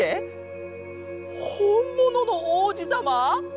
ほんもののおうじさま！？